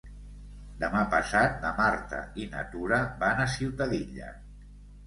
Demà passat na Marta i na Tura van a Ciutadilla.